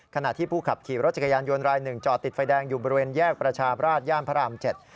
สุภาพรชาตาราชย่านพระอำเจ็ด